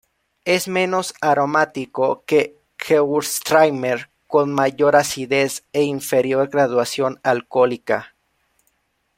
Es menos aromático que gewürztraminer con mayor acidez e inferior graduación alcohólica.